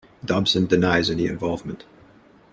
Dobson denies any involvement.